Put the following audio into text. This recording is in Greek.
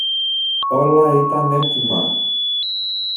Όλα ήταν έτοιμα.